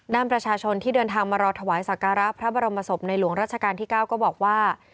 ประชาชนที่เดินทางมารอถวายสักการะพระบรมศพในหลวงราชการที่๙ก็บอกว่า